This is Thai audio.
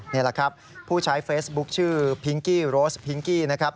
นี่แหละครับผู้ใช้เฟซบุ๊คชื่อพิงกี้โรสพิงกี้นะครับ